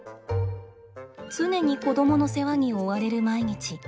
常に子どもの世話に追われる毎日。